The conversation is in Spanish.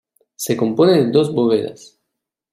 Se compone de dos bóvedas.